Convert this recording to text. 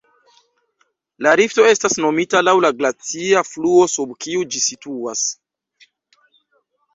La rifto estas nomita laŭ la glacia fluo sub kiu ĝi situas.